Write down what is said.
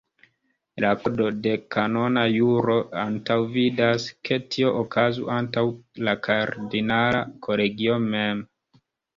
La kodo de kanona juro antaŭvidas ke tio okazu antaŭ la kardinala kolegio mem.